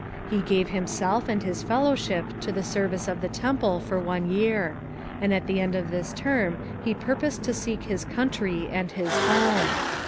He gave himself and his fellowship to the service of the Temple for one year; and at the end of this term he purposed to seek his country and his home.